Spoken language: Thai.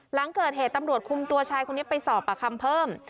หลังเกิดเหตุตำรวจคุมตัวชายคนนี้ไปสอบประคำเพิ่ม